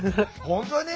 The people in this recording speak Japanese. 本当に？